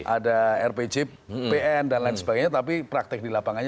ada rpjpn dan lain sebagainya tapi praktik di lapangannya